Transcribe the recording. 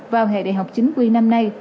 vào hệ đại học chính quy năm nay